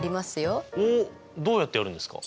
おっどうやってやるんですか？